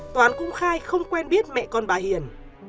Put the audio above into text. toán cũng khai không quen biết mẹ con bà hiền